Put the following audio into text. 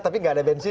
tapi nggak ada bensin